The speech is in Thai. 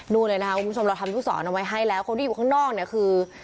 เลยนะคะคุณผู้ชมเราทำลูกศรเอาไว้ให้แล้วคนที่อยู่ข้างนอกเนี่ยคือ